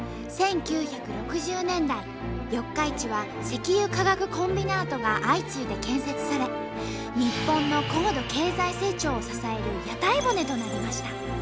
１９６０年代四日市は石油化学コンビナートが相次いで建設され日本の高度経済成長を支える屋台骨となりました。